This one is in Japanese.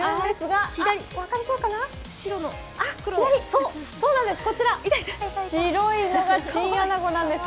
そうなんです、こちら白いのがチンアナゴなんです。